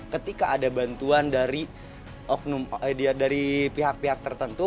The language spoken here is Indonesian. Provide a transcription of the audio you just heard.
ketika ada bantuan dari pihak pihak tertentu